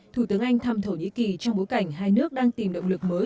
thủ tướng anh thăm thổ nhĩ kỳ trong bối cảnh hai nước đang tìm động lực mới